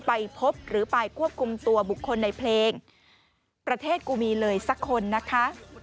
ไปพบหรือไปควบคุมตัวบุคคลในเพลงประเทศกูมีเลยสักคนนะคะ